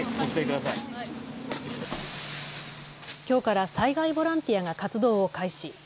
きょうから災害ボランティアが活動を開始。